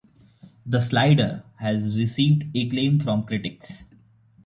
"The Slider" has received acclaim from critics.